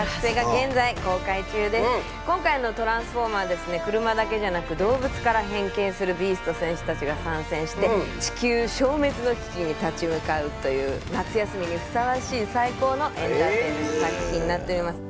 今回の『トランスフォーマー』は車だけじゃなく動物から変形するビースト戦士たちが参戦して地球消滅の危機に立ち向かうという夏休みにふさわしい最高のエンターテインメント作品になってます。